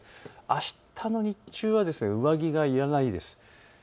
あしたの日中は上着がいらないです。